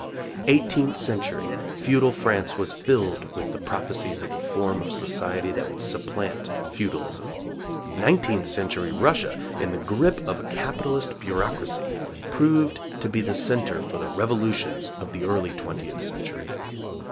Eighteenth century, Feudal France was filled with the prophecies of a form of society that would supplant Feudalism. Nineteenth century Russia, in the grip of a capitalist bureaucracy, proved to be the centre for the revolutions of the early twentieth century.